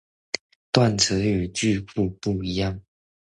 斷詞跟句庫是不一樣的